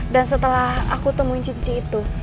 dan setelah aku temuin cincin itu